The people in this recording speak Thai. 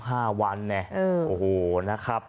ห้าวันเนี่ยโอ้โหนะครับ